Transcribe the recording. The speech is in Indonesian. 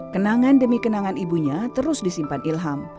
kenangan demi kenangan ibunya terus disimpan ilham